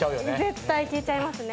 絶対聞いちゃいますね。